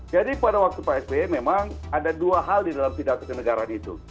jadi pada waktu pak sp memang ada dua hal di dalam pidato kenegaraan itu